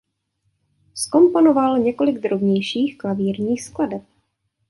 Zkomponoval několik drobnějších klavírních skladeb.